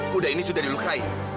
kuda ini sudah dilukai